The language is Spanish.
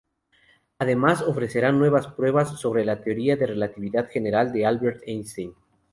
Además ofrecerá nuevas pruebas sobre la Teoría de Relatividad General de Albert Einstein.